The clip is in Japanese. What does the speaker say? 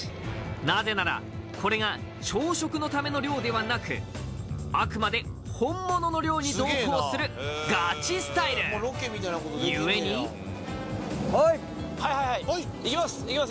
なぜならこれが朝食のための漁ではなくあくまで本物の漁に同行するガチスタイル故にはいはいはい行きます行きます